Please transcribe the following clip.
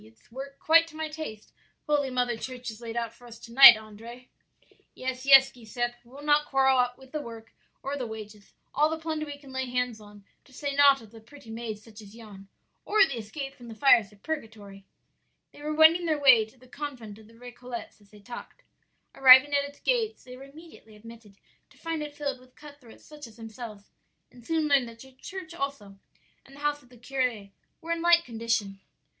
It's work quite to my taste Holy Mother Church has laid out for us to night, Andrea.' "'Yes, yes, Giuseppe, we'll not quarrel with the work or the wages; all the plunder we can lay hands on; to say naught of the pretty maids such as yon, or the escape from the fires of purgatory.' "They were wending their way to the convent of the Récollets as they talked. Arrived at its gates they were immediately admitted, to find it filled with cut throats such as themselves, and soon learned that the church also and the house of the curé were in like condition.